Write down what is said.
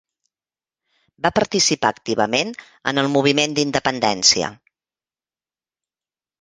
Va participar activament amb el moviment d'independència.